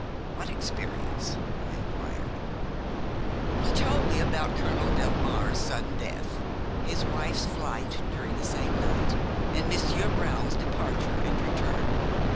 "What experience?" I inquired. He told me about Colonel Delmare's sudden death, his wife's flight during the same night, and Monsieur Brown's departure and return.